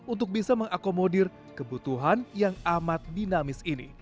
untuk bisa mengakomodir kebutuhan yang amat dinamis ini